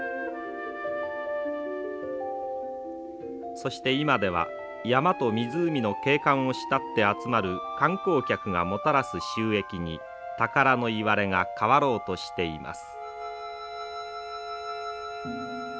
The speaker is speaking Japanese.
そして今では山と湖の景観を慕って集まる観光客がもたらす収益に宝のいわれが変わろうとしています。